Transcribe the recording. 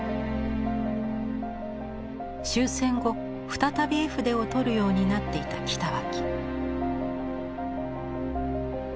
終戦後再び絵筆を執るようになっていた北脇。